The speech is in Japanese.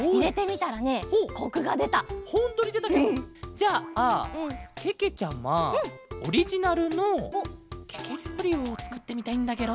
じゃあけけちゃまオリジナルのケケりょうりをつくってみたいんだケロ。